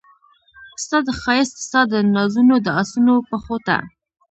ستا د ښایست ستا دنازونو د اسونو پښو ته